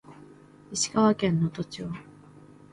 石川県能登町